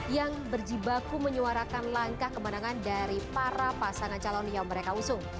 yang berjibaku menyuarakan langkah kemenangan dari para pasangan calon yang mereka usung